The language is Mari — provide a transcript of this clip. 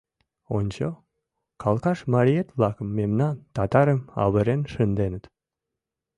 Ончо, калкаш мариет-влак мемнам, татарым, авырен шынденыт.